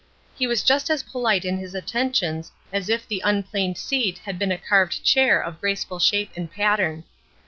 He was just as polite in his attentions as if the unplaned seat had been a carved chair of graceful shape and pattern.